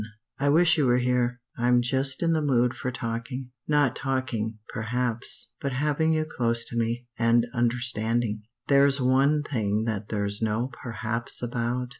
"I wish you were here. I'm just in the mood for talking not talking, perhaps, but having you close to me, and understanding. "There's one thing that there's no perhaps about.